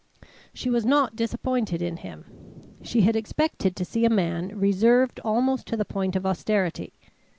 She was not disappointed in him. She had expected to see a man, reserved almost to the point of austerity.